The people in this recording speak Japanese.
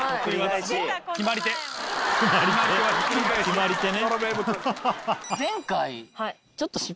決まり手ね。